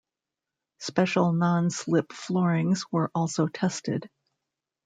Special non slip floorings were also tested.